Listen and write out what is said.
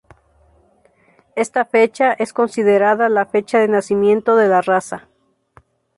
Esta fecha es considerada la fecha de nacimiento de la raza.